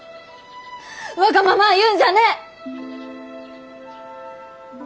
わがままあ言うんじゃねえ！